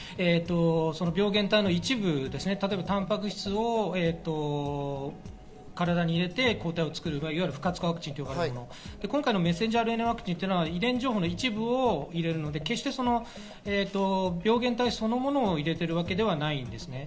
病原体の一部、たんぱく質を体に入れて抗体を作る不活化ワクチン、ｍＲＮＡワクチンというのは遺伝情報の一部を入れるので、病原体そのものを入れているわけではないんですね。